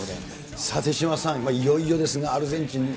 さあ、手嶋さん、いよいよですが、アルゼンチン。